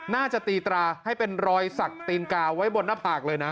น่าจะตีตราให้เป็นรอยสักตีนกาไว้บนหน้าผากเลยนะ